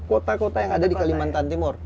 kota kota yang ada di kalimantan timur